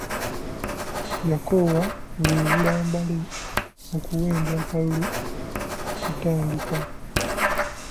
Yakoowa ng'ebula mbale okuwenja akalulu kutandike.